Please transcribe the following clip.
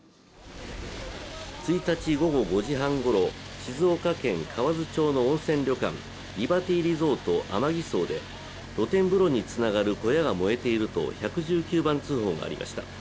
１日午後５時半ごろ静岡県河津町の温泉旅館リバティリゾートＡＭＡＧＩＳＯで、露天風呂につながる小屋が燃えていると１１９番通報がありました。